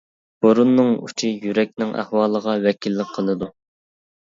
بۇرۇننىڭ ئۇچى يۈرەكنىڭ ئەھۋالىغا ۋەكىللىك قىلىدۇ.